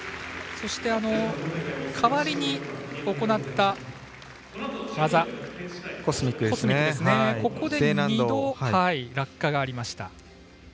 そして、代わりに行った技コスミックで２度、落下がありました。